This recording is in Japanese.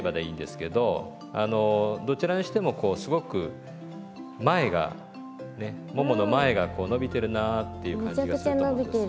あのどちらにしてもこうすごく前がねももの前がこう伸びてるなっていう感じがすると思うんです。